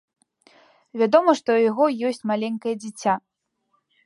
Вядома, што ў яго ёсць маленькае дзіця.